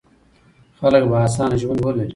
خلک به اسانه ژوند ولري.